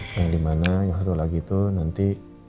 nah yang dimana yang satu lagi itu nanti